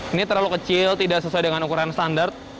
ini terlalu kecil tidak sesuai dengan ukuran standar